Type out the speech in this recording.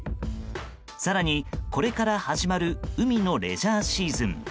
更に、これから始まる海のレジャーシーズン。